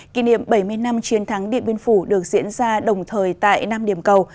kỷ niệm bảy mươi năm chiến thắng điện biên phủ được diễn ra đồng thời tại năm điểm cầu